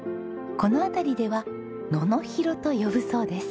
この辺りでは「ののひろ」と呼ぶそうです。